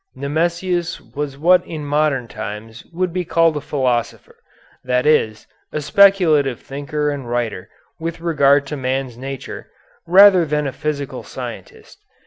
Nemesius was what in modern times would be called a philosopher, that is, a speculative thinker and writer, with regard to man's nature, rather than a physical scientist.